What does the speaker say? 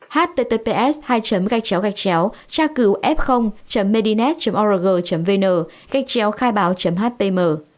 https hai gachcheo gachcheo tra cứu f medinet org vn gachcheo khai báo htm